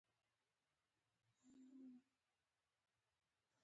زه پوهي ته ارزښت ورکوم.